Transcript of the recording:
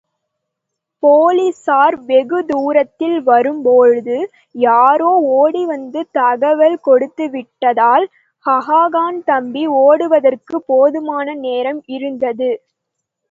போலிஸார் வெகுதூரத்தில் வரும்போழுது யாரோ ஓடிவந்து தகவல் கொடுத்துவிட்டதால், ஹோகன்தப்பி ஓடுவதற்குப் போதுமான நேரம் இருந்தது.